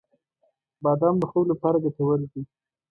• بادام د خوب لپاره ګټور دی.